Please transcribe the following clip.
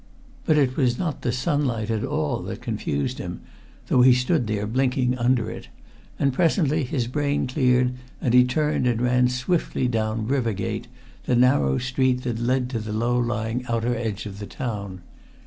But it was not the sunlight at all that confused him though he stood there blinking under it and presently his brain cleared and he turned and ran swiftly down River Gate, the narrow street that led to the low lying outer edge of the town.